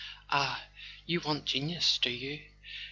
"Ah, you want genius, do you?